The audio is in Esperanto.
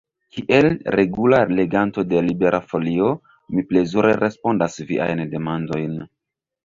Kiel regula leganto de Libera Folio, mi plezure respondas viajn demandojn.